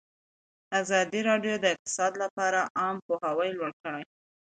ازادي راډیو د اقتصاد لپاره عامه پوهاوي لوړ کړی.